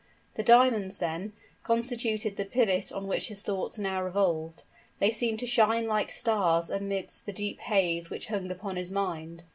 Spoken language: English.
The diamonds, then, constituted the pivot on which his thoughts now revolved. They seemed to shine like stars amidst the deep haze which hung upon his mind.